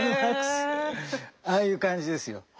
ああいう感じですよ。